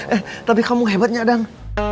eh tapi kamu hebatnya dong